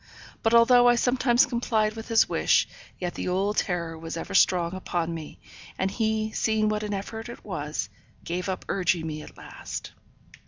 But although I sometimes complied with his wish, yet the old terror was ever strong upon me, and he, seeing what an effort it was, gave up urging me at last.